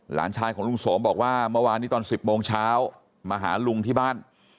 หลานชายของลุงสมบอกว่าเมื่อวานนี้ตอน๑๐โมงเช้ามาหาลุงที่บ้าน